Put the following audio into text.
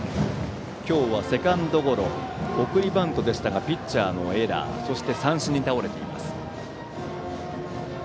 今日はセカンドゴロ送りバントでしたがピッチャーのエラーそして三振に倒れています。